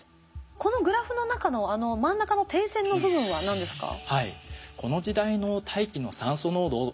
このグラフの中のあの真ん中の点線の部分は何ですか？